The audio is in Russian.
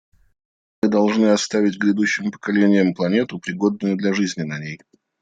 Мы должна оставить грядущим поколениям планету, пригодную для жизни на ней.